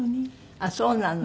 あっそうなの。